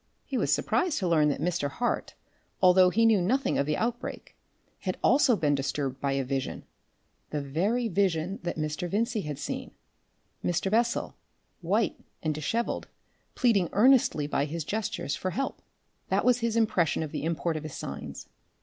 He was surprised to learn that Mr. Hart, although he knew nothing of the outbreak, had also been disturbed by a vision, the very vision that Mr. Vincey had seen Mr. Bessel, white and dishevelled, pleading earnestly by his gestures for help. That was his impression of the import of his signs.